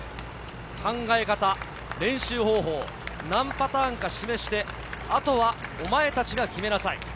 考え方、練習方法、何パターンかを示して、あとはお前たちが決めなさい。